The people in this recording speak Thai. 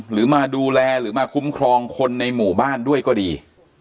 หรือมาดูแลหรือมาคุ้มครองคนในหมู่บ้านด้วยก็ดี